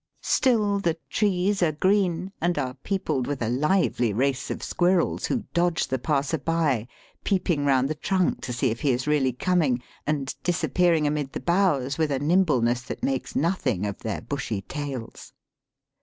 Still, the trees are green, and are peopled with a lively race of squirrels, who dodge the passer by, peeping round the trunk to see if he is really coming, and disappearing amid the boughs with a nimbleness that makes nothing of their bushy tails.